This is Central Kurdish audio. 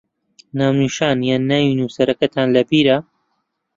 ناونیشان یان ناوی نووسەرەکەتان لەبیرە؟